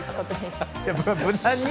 無難に？